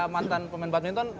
mantan pemain badminton